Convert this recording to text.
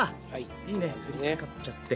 いいねふりかかっちゃって。